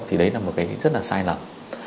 thì đấy là một cái rất là sai lầm